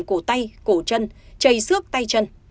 cổ tay cổ chân chày xước tay chân